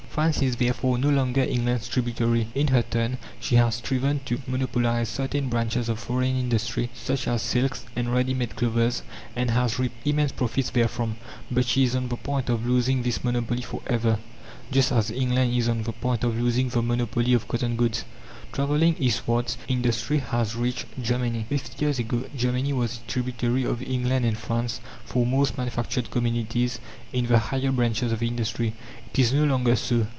France is therefore no longer England's tributary. In her turn she has striven to monopolize certain branches of foreign industry, such as silks and ready made clothes, and has reaped immense profits therefrom; but she is on the point of losing this monopoly for ever, just as England is on the point of losing the monopoly of cotton goods. Travelling eastwards, industry has reached Germany. Fifty years ago Germany was a tributary of England and France for most manufactured commodities in the higher branches of industry. It is no longer so.